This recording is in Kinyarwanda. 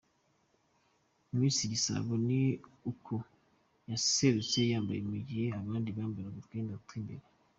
Miss Igisabo ni uku yaserutse yambaye mu gihe abandi bambaraga utwenda tw’imbere